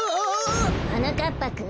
はなかっぱくん。